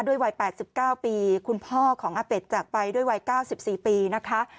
วัย๘๙ปีคุณพ่อของอาเป็ดจากไปด้วยวัย๙๔ปีนะคะ